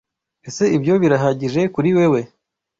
Ese ibyo birahagije kuri wewe?